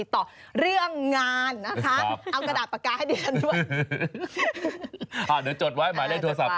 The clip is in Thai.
เดี๋ยวจดไว้อาหารหายได้โทรศัพท์